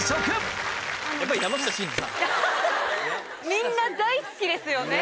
みんな大好きですよね。